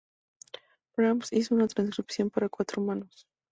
Brahms hizo una transcripción para cuatro manos.